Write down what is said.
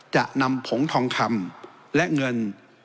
จะนำผงทองคำและเงิน